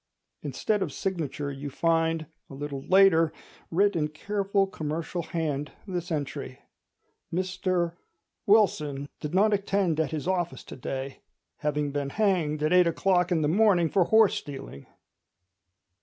Instead of signature you find, a little later, writ in careful commercial hand, this entry: "Mr— did not attend at his office to day, having been hanged at eight o'clock in the morning for horse stealing."